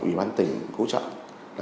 ủy ban tỉnh cố chọn